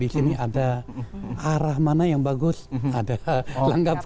di sini ada arah mana yang bagus ada lengkap